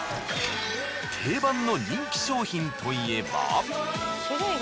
定番の人気商品といえば。